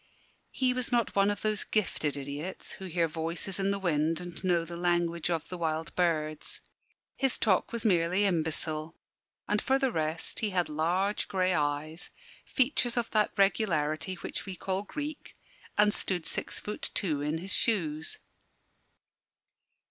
He was not one of those gifted idiots who hear voices in the wind and know the language of the wild birds. His talk was merely imbecile; and, for the rest, he had large grey eyes, features of that regularity which we call Greek, and stood six foot two in his shoes.